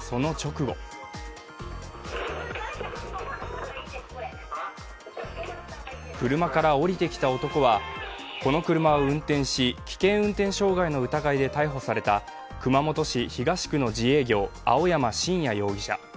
その直後車から降りてきた男はこの車を運転し危険運転傷害の疑いで逮捕された熊本市東区の自営業青山真也容疑者。